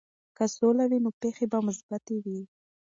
که سوله وي، نو پېښې به مثبتې وي.